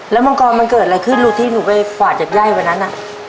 แล้วมังกรมันเกิดอะไรขึ้นลูกที่หนูไปกวาดจากไย่วันนั้น